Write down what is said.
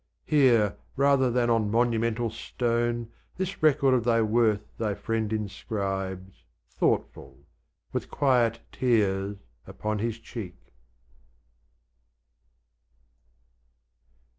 Here, rather than on monumental stone, This record of thy worth thy Friend inscribes, Thoughtful, with quiet tears upon his cheek.